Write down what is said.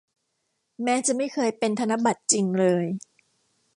แม้จะไม่เคยเป็นธนบัตรจริงเลย